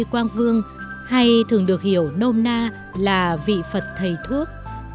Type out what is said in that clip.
quang vương hay thường được hiểu nôm na là vị phật thầy thuốc